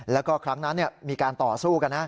แล้วก็ครั้งนั้นมีการต่อสู้กันนะ